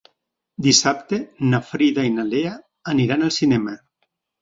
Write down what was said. Dissabte na Frida i na Lea aniran al cinema.